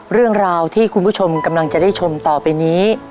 เรื่องราวที่คุณผู้ชมกำลังจะได้ชมต่อไปนี้